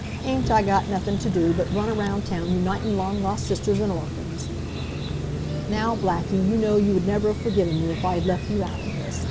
"Ain't I got nothin' t' do but run around town unitin' long lost sisters an' orphans!" "Now, Blackie, you know you would never have forgiven me if I had left you out of this.